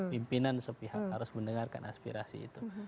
pimpinan sepihak harus mendengarkan aspirasi itu